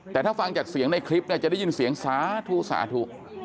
แต่ถ้าฟังจากเสียงในคลิปเนี่ยจะได้ยินเสียงสาธุสาธุ